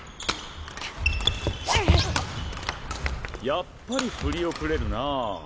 やっぱり振り遅れるなぁ。